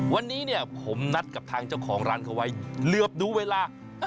วันนี้เนี่ยผมนัดกับทางเจ้าของร้านเขาไว้เหลือบดูเวลา